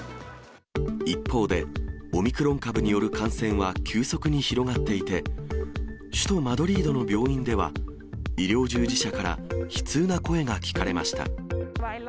一方で、オミクロン株による感染は急速に広がっていて、首都マドリードの病院では、医療従事者から悲痛な声が聞かれました。